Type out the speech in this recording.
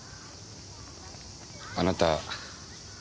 あなたは？